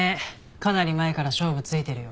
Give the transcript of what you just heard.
かなり前から勝負ついてるよ。